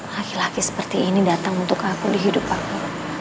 laki laki seperti ini datang untuk aku di hidup aku